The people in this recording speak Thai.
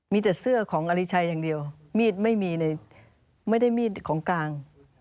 มีแต่เสื้อของอริชัยอย่างเดียวมีดไม่มีไม่ได้มีดของกลาง